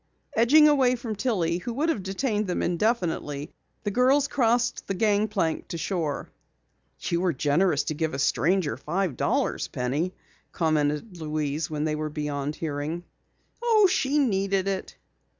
Edging away from Tillie who would have detained them indefinitely, the girls crossed the gangplank to shore. "You were generous to give a stranger five dollars, Penny," commented Louise when they were beyond hearing. "Oh, she needed it."